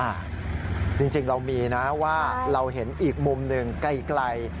จริงเรามีนะว่าเราเห็นอีกมุมหนึ่งไกล